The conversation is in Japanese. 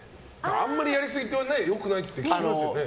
あんまりやりすぎるとよくないって聞きますよね。